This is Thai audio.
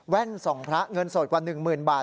แว่นส่องพระเงินสดกว่า๑หมื่นบาท